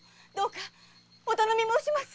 お頼み申します！